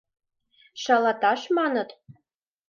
Шалаташ, маныт?